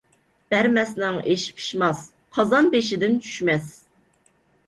بەرمەسنىڭ ئېشى پىشماس، قازان بېشىدىن چۈشمەس.